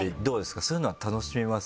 そういうのは楽しめます？